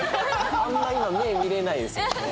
あんま今目見れないですもんね。